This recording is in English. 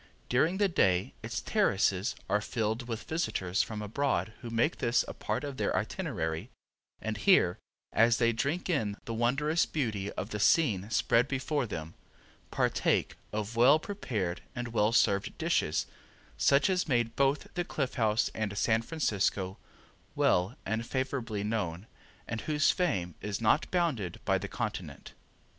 During the day its terraces are filled with visitors from abroad who make this a part of their itinerary, and here, as they drink in the wondrous beauty of the scene spread before them, partake of well prepared and well served dishes such as made both the Cliff House and San Francisco well and favorably known and whose fame is not bounded by the continent.